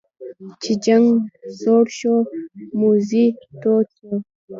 چې جنګ سوړ شو موذي تود شو.